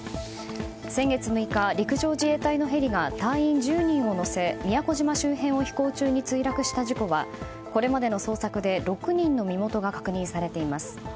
先月６日、陸上自衛隊のヘリが隊員１０人を乗せ宮古島周辺を飛行中に墜落した事故はこれまでの捜索で６人の身元が確認されています。